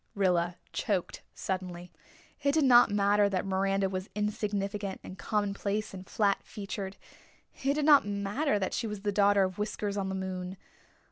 Rilla choked suddenly. It did not matter that Miranda was insignificant and commonplace and flat featured. It did not matter that she was the daughter of Whiskers on the moon.